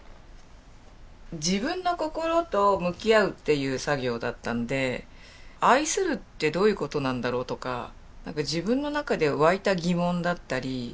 自分の心と向き合うっていう作業だったんで愛するってどういうことなんだろう？とか自分の中で湧いた疑問だったり。